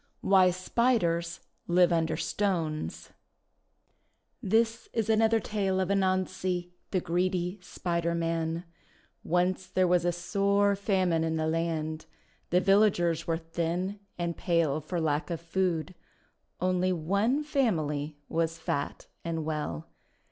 WHY SPIDERS LIVE UNDER STONES THIS is another tale of Anansi, the greedy Spider Man. Once there was a sore famine in the land. The villagers were thin and pale for ANANSI THE SPIDER MAN 169 lack of food. Only one family was fat and well.